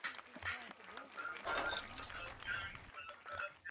Su trabajo se ha centrado en los tuaregs del Sahel.